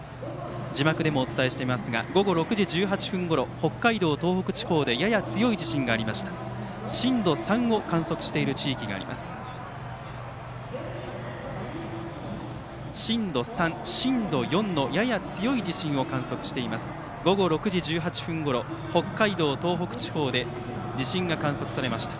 字幕でもお伝えしていますがごご６時１８分ごろ北海道、東北地方でやや強い地震がありました。